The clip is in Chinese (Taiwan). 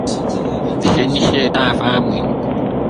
新四大發明